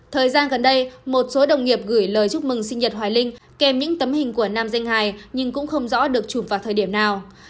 thời gian gần đây một số đồng nghiệp gửi lời chúc mừng sinh nhật hoài linh kèm những tấm hình của nam danh hài nhưng cũng không rõ được chùm vào thời điểm nào